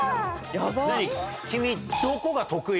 ヤバい！